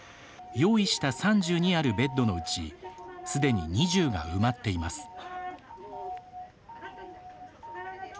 用意した３２あるベッドのうちすでに２０が埋まっています。